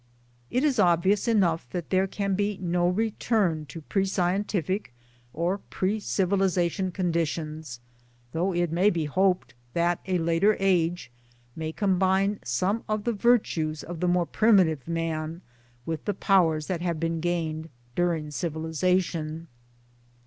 It is obvious enough that there can be no return to pre scientific or pre civilization conditions though , it may be hoped that a later age may combine some of the virtues of the more primitive man with the powers that have been gained during; civilization.